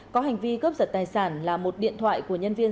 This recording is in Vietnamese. có hành vi cướp giật tài sản là một điện thoại của nhân viên